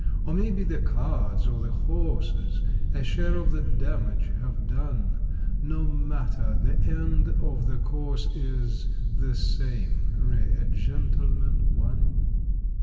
Or maybe the cards or the horses A share of the damage have done No matter; the end of the course is The same: "Re a Gentleman, One".